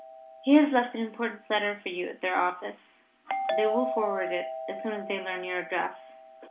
He has left an important letter for you at their office. They will forward it as soon as they learn your address.